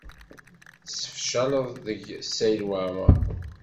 Tessefcaleḍ deg Saɛid Waɛmaṛ.